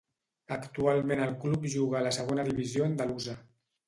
Actualment el club juga a la Segona Divisió Andalusa.